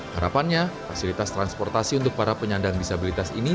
harapannya fasilitas transportasi untuk para penyandang disabilitas ini